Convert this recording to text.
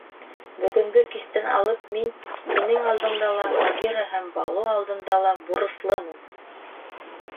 Бөгөнгө кистән алып мин — һинең алдында ла, Багира һәм Балу алдында ла бурыслымын.